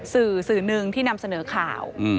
สื่อสื่อหนึ่งที่นำเสนอข่าว